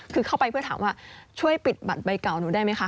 คือเข้าไปเพื่อถามว่าช่วยปิดบัตรใบเก่าหนูได้ไหมคะ